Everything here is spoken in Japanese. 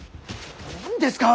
何ですか！